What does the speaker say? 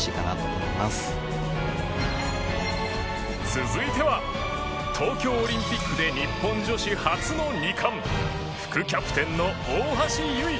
続いては東京オリンピックで日本女子初の２冠副キャプテンの大橋悠依